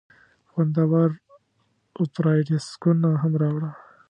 خوندور اوپيراډیسکونه هم راوړه.